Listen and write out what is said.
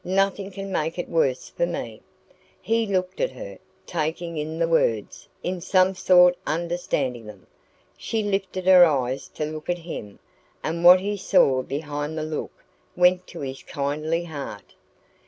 Nothing can make it worse for me." He looked at her, taking in the words, in some sort understanding them. She lifted her eyes to look at him, and what he saw behind the look went to his kindly heart.